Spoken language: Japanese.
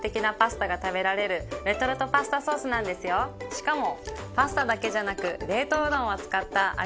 しかも。